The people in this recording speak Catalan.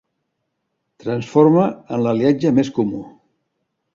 Transforma en l'aliatge més comú.